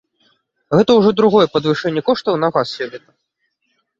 Гэта ўжо другое падвышэнне коштаў на газ сёлета.